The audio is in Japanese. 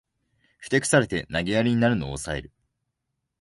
ふてくされて投げやりになるのをおさえる